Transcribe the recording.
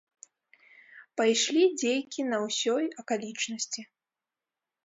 Пайшлі дзейкі на ўсёй акалічнасці.